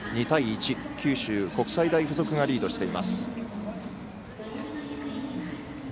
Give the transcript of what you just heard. ２対１、九州国際大付属がリードしています。